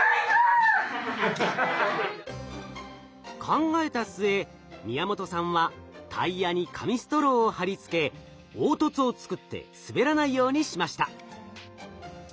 考えた末宮本さんはタイヤに紙ストローを貼り付け凹凸を作って滑らないようにしました。